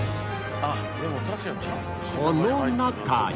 この中に